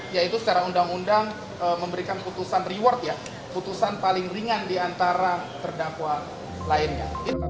yaitu secara undang undang memberikan putusan reward ya putusan paling ringan diantara terdakwa lainnya